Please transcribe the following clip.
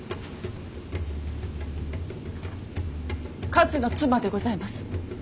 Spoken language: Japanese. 勝の妻でございます。